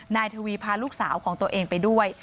นายทวีพาลูกสาวของตัวเองไปด้วย